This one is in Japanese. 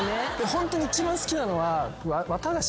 ホントに一番好きなのは。